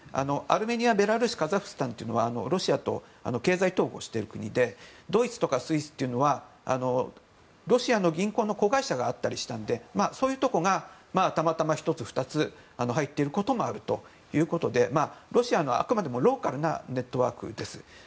アルメニア、ベラルーシカザフスタンというのはロシアと経済統合している国でドイツとかスイスというのはロシアの銀行の子会社があったりしたのでそういうところがたまたま１つ、２つ入っていることがあるということでロシアのあくまでもローカルなネットワークです。